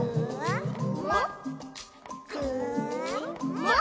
「もっ？